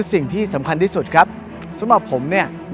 สนุนโดยสถาบันความงามโย